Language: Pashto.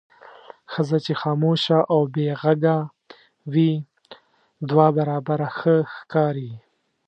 ښځه چې خاموشه او بې غږه وي دوه برابره ښه ښکاري.